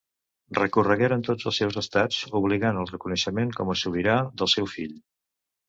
Recorregueren tots els seus estats obligant al reconeixement com a sobirà del seu fill.